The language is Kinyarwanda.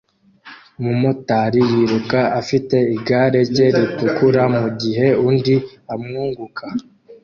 Umumotari yiruka afite igare rye ritukura mugihe undi amwunguka